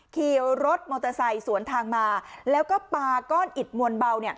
ขี่รถมอเตอร์ไซค์สวนทางมาแล้วก็ปาก้อนอิดมวลเบา